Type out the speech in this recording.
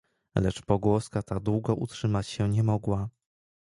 "Lecz pogłoska ta długo utrzymać się nie mogła."